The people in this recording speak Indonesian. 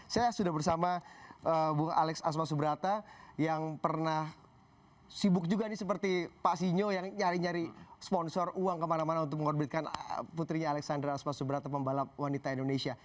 saya sudah bersama bung alex asma subrata yang pernah sibuk juga nih seperti pak sinyo yang nyari nyari sponsor uang kemana mana untuk mengorbitkan putrinya alexandra asma subrata pembalap wanita indonesia